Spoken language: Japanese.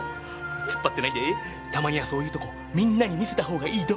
突っ張ってないでたまにはそういうとこみんなに見せたほうがいいど！